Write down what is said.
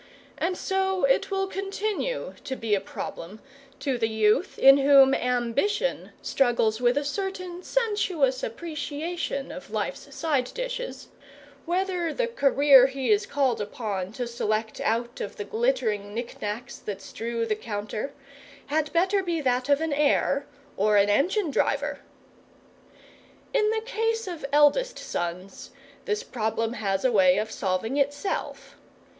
And so it will continue to be a problem, to the youth in whom ambition struggles with a certain sensuous appreciation of life's side dishes, whether the career he is called upon to select out of the glittering knick knacks that strew the counter had better be that of an heir or an engine driver. In the case of eldest sons, this problem has a way of solving itself.